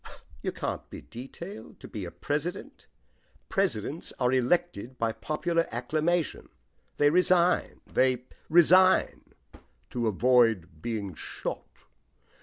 "You can't be detailed to be a president. Presidents are elected by popular acclamation. They resign they resign " "To avoid being shot."